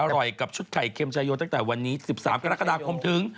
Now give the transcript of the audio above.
กับชุดไข่เค็มชายโยตั้งแต่วันนี้๑๓กรกฎาคมถึง